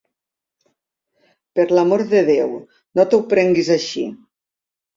Per l'amor de Déu, no t'ho prenguis així!